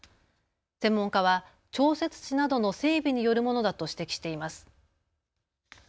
専門家は調節池などの整備によるものだと指摘しています。